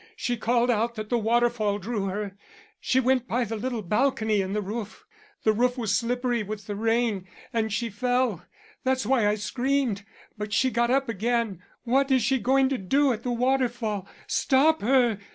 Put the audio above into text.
She called out that the waterfall drew her. She went by the little balcony and the roof. The roof was slippery with the rain and she fell. That's why I screamed. But she got up again. What is she going to do at the waterfall? Stop her!